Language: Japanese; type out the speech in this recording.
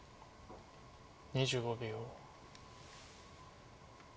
２５秒。